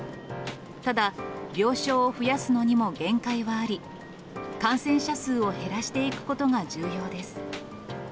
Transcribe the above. ただ、病床を増やすのにも限界はあり、感染者数を減らしていくことが重要です。